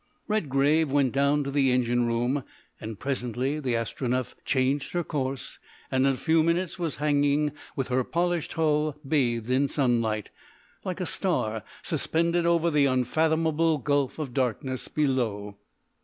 Redgrave went down to the engine room, and presently the Astronef changed her course, and in a few minutes was hanging with her polished hull bathed in sunlight, like a star suspended over the unfathomable gulf of darkness below.